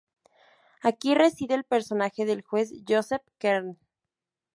Aquí reside el personaje del juez Joseph Kern.